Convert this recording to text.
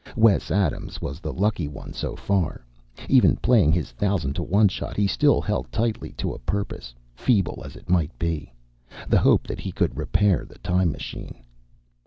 Wes Adams was the lucky one so far. Even playing his thousand to one shot, he still held tightly to a purpose, feeble as it might be the hope that he could repair the time machine.